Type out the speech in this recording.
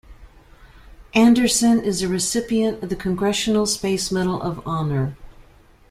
Anderson is a recipient of the Congressional Space Medal of Honor.